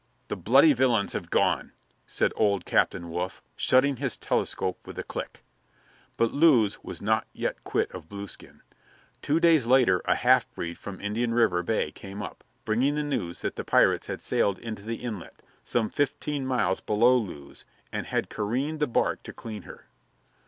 "The bloody villains have gone!" said old Captain Wolfe, shutting his telescope with a click. But Lewes was not yet quit of Blueskin. Two days later a half breed from Indian River bay came up, bringing the news that the pirates had sailed into the inlet some fifteen miles below Lewes and had careened the bark to clean her.